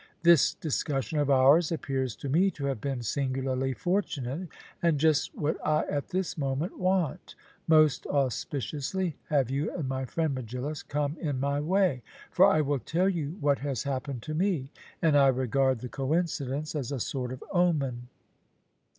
This discussion of ours appears to me to have been singularly fortunate, and just what I at this moment want; most auspiciously have you and my friend Megillus come in my way. For I will tell you what has happened to me; and I regard the coincidence as a sort of omen.